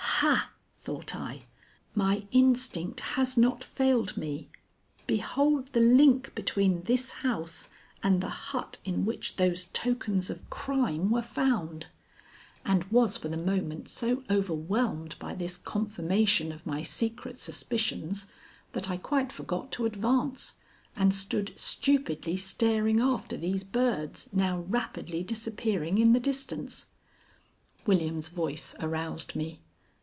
"Ha!" thought I; "my instinct has not failed me. Behold the link between this house and the hut in which those tokens of crime were found," and was for the moment so overwhelmed by this confirmation of my secret suspicions, that I quite forgot to advance, and stood stupidly staring after these birds now rapidly disappearing in the distance. William's voice aroused me.